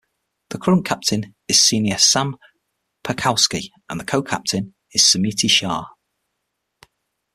The current Captain is senior Sam Perkowsky and the Co-Captain is Smiti Shah.